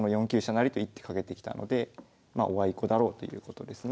成と１手かけてきたのでまあおあいこだろうということですね。